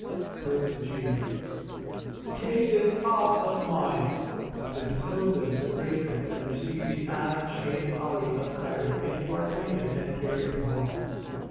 Quoth the Jew, "Take this ass of mine." So he sold him the bracelets and received the ass shaped Ali of Cairo in part payment and carried him home.